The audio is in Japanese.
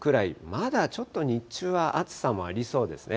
まだちょっと日中は暑さもありそうですね。